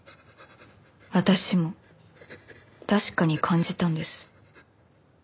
私も確かに感じたんです。